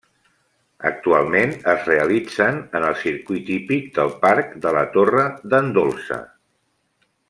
Actualment es realitzen en el circuit hípic del Parc de la Torre d'en Dolça.